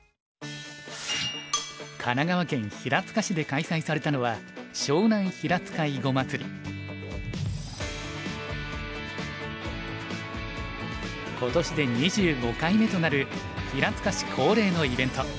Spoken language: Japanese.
神奈川県平塚市で開催されたのは今年で２５回目となる平塚市恒例のイベント。